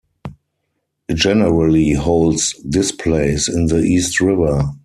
It generally holds displays in the East River.